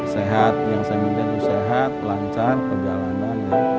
sehat yang saya minta itu sehat lancar berjalanan